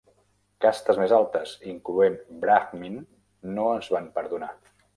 Castes més altes, incloent Brahmin, no es van perdonar.